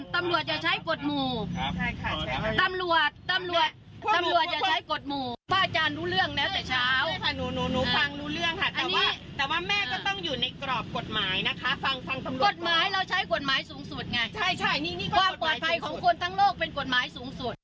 ความปลอดภัยของคนทั้งโลกเป็นกฎหมายสูงสุด